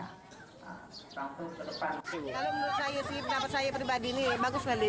kalau menurut saya penampak saya pribadi ini bagus sekali